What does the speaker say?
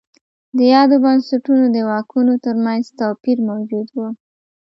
د یادو بنسټونو د واکونو ترمنځ توپیر موجود و.